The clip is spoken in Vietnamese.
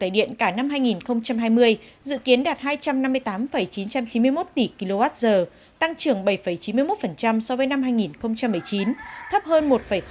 điện cả năm hai nghìn hai mươi dự kiến đạt hai trăm năm mươi tám chín trăm chín mươi một tỷ kwh tăng trưởng bảy chín mươi một so với năm hai nghìn một mươi chín thấp hơn một ba